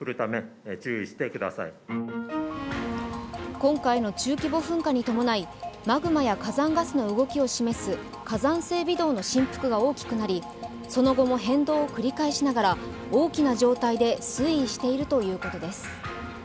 今回の中規模噴火に伴い、マグマや火山ガスの動きを示す火山性微動の振幅が大きくなりその後も変動を繰り返しながら大きな状態で推移しているということです。